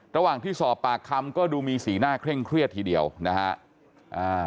ระหว่างที่สอบปากคำก็ดูมีสีหน้าเคร่งเครียดทีเดียวนะฮะ